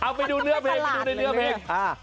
เอาไปดูเนื้อเพลงไปดูในเนื้อเพลง